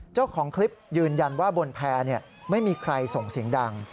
เจ้าของคลิปยืนยันว่าบนแพร่ไม่มีใครส่งเสียงดัง